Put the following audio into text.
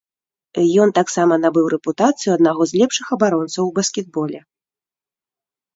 Ён таксама набыў рэпутацыю аднаго з лепшых абаронцаў у баскетболе.